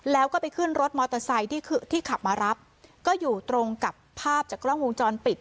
แล้วก็ไปขึ้นรถมอเตอร์ไซค์ที่ที่ขับมารับก็อยู่ตรงกับภาพจากกล้องวงจรปิด